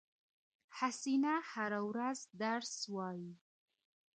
حسینه هره ورځ درس وایی